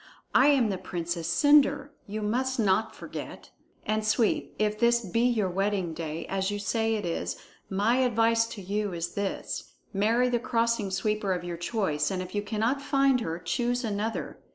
I am the Princess Cendre, you must not forget. And Sweep, if this be your wedding day, as you say it is, my advice to you is this: Marry the Crossing Sweeper of your choice, and if you cannot find her, choose another.